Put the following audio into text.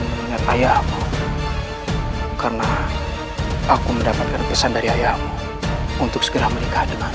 mengingat ayah karena aku mendapatkan pesan dari ayahmu untuk segera menikah dengan